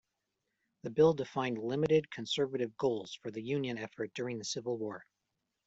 The bill defined limited conservative goals for the Union effort during the Civil War.